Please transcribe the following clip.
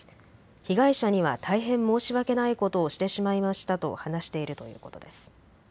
被害者には大変申し訳ないことをしてしまいましたと話しているということです。